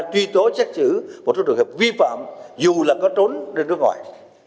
truy tố xét xử một số trường hợp vi phạm dù là có trốn đi nước ngoài